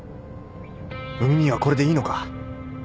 海兄はこれでいいのか？